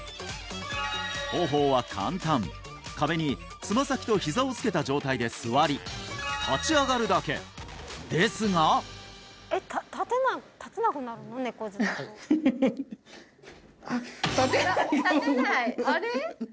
方法は簡単壁につま先とひざをつけた状態で座り立ち上がるだけですがフフフ立てないあれ？